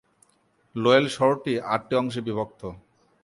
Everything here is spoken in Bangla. লোয়েল শহরটি আটটি অংশে বিভক্ত।